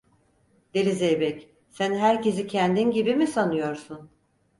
Deli zeybek, sen herkesi kendin gibi mi sanıyorsun…